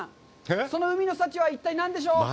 その海の幸は一体何でしょうか？